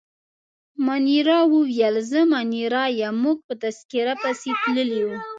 مانیرا وویل: زه مانیرا یم، موږ په تذکیره پسې تللي وو.